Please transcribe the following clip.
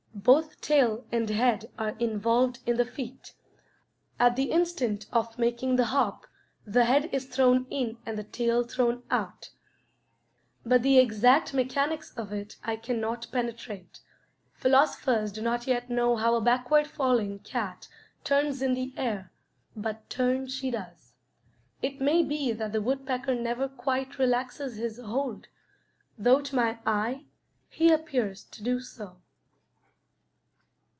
Both tail and head are involved in the feat. At the instant of making the hop the head is thrown in and the tail thrown out, but the exact mechanics of it I cannot penetrate. Philosophers do not yet know how a backward falling cat turns in the air, but turn she does. It may be that the woodpecker never quite relaxes his hold, though to my eye he appears to do so.